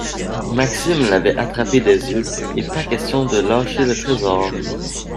Maxime l’avait attrapée des yeux et pas question de lâcher le trésor.